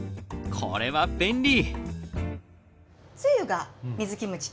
これは便利！